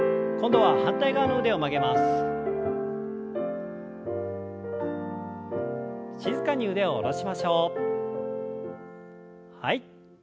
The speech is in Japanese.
はい。